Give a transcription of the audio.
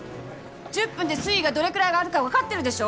１０分で水位がどれぐらい上がるか分かってるでしょ？